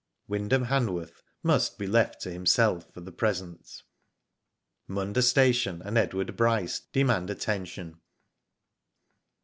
Wyndham Hanworth must be left to himself for the present. Munda station and Edward Bryce demand atten tion.